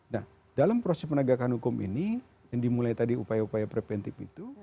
nah dalam proses penegakan hukum ini yang dimulai tadi upaya upaya preventif itu